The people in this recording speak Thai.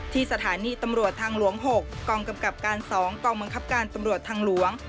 สถานีตำรวจทางหลวง๖กองกำกับการ๒กองบังคับการตำรวจทางหลวง